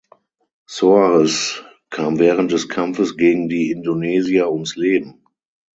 Soares kam während des Kampfes gegen die Indonesier ums Leben.